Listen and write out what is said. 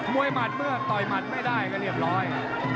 หมัดเมื่อต่อยหมัดไม่ได้ก็เรียบร้อย